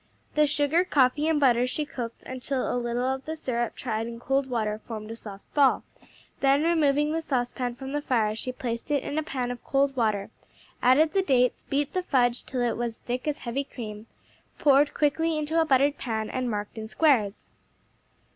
The sugar, coffee and butter she cooked until a little of the syrup tried in cold water formed a soft ball, then removing the saucepan from the fire she placed it in a pan of cold water, added the dates, beat the fudge till it was as thick as heavy cream, poured quickly into a buttered pan and marked in squares.